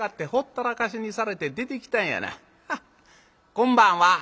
こんばんは。